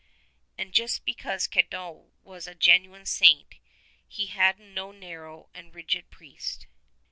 94 And just because Cadoc was a genuine saint he was no narrow and rigid priest.